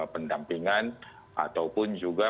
pendampingan ataupun juga